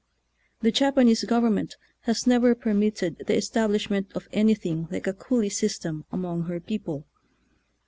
The Japanese government has never permit ted the establishment of anything like a "coolie" system among her people.